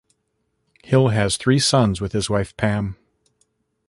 Hill has three sons with his wife Pam.